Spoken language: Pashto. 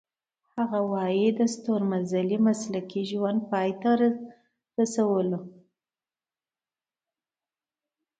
هغه وايي د ستورمزلۍ مسلکي ژوند پای ته رسولو .